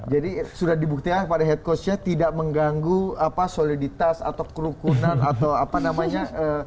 jadi sudah dibuktikan pada head coachnya tidak mengganggu soliditas atau kerukunan atau apa namanya